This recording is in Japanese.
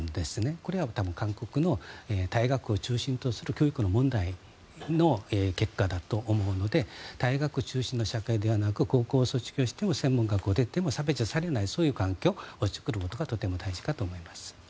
これは多分、韓国の大学を中心とする教育の問題の結果だと思うので大学中心の社会ではなく高校を卒業しても専門学校を出ても差別されないそういう環境を作ることがとても大事かと思います。